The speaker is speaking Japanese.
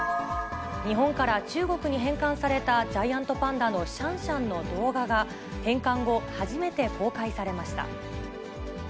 日本から中国に返還された、ジャイアントパンダのシャンシャンの動画が、返還後初めて公開されました。